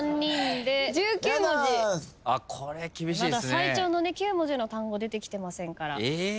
最長の９文字の単語出てきてませんから。